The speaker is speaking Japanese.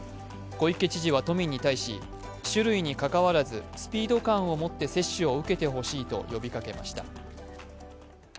小池知事は都民に対し、種類にかかわらずスピード感を持って接種を受けてほしいと呼びかけました。